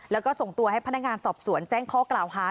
แล้วก็ส่งตัวให้พนักงานสอบสวนแจ้งข้อกล่าวหา